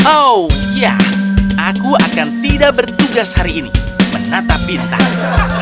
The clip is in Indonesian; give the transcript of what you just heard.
oh ya aku akan tidak bertugas hari ini menata bintang